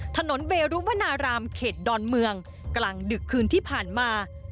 ถนนเวรุวนารามเขตดอนเมืองกลางดึกคืนที่ผ่านมา